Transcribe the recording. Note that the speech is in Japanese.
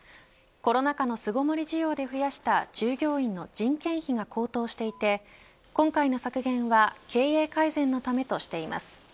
コロナ禍の巣ごもり需要で増やした従業員の人件費が高騰していて今回の削減は経営改善のためとしています。